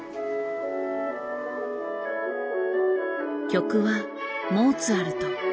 曲はモーツァルト。